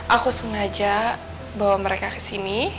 aku sengaja bawa mereka kesini